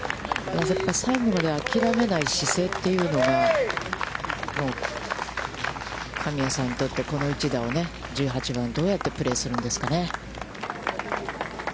最後まで諦めない姿勢というのが、神谷さんにとって、この一打をどうやってプレーするんですかね。